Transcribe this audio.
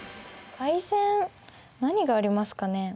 改善何がありますかね。